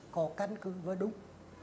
có căn cứ và đúng